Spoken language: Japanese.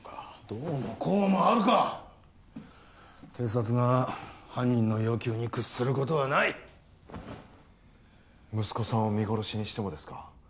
どうもこうもあるか警察が犯人の要求に屈することはない息子さんを見殺しにしてもですか？